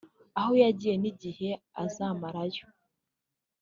aho agiye n’igihe azamara yo